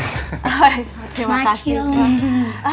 hai terima kasih